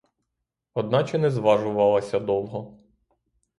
Одначе не зважувалася довго.